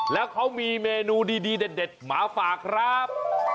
แล้วเขามีเมนูดีเด็ดมาฝากครับ